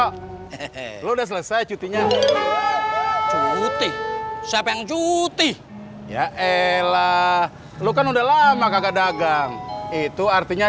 the road selesai cutinya cutih siapa yang cutih ya elah lu kan udah lama kagak dagang itu artinya